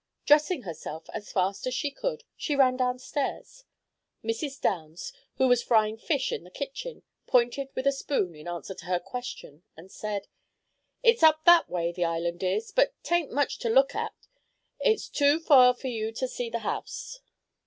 Dressing herself as fast as she could, she ran downstairs. Mrs. Downs, who was frying fish in the kitchen, pointed with a spoon in answer to her question, and said, "It's up that way the island is, but 'taint much to look at. It's too fur for you to see the house."